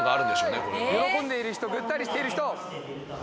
喜んでいる人ぐったりしている人。